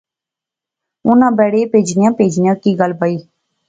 انیں بڑے بچنیاں بچنیاں کی گل بائی